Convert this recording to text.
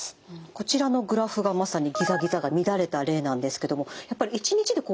こちらのグラフがまさにギザギザが乱れた例なんですけどもやっぱり１日で大きく上がってしまうということがあるんですね。